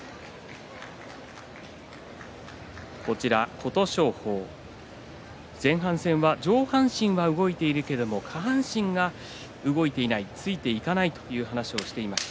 琴勝峰、前半戦上半身が動いているけれども下半身が動いていないついていかないという話をしていました。